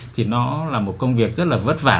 thì nó là một công việc rất là vất vả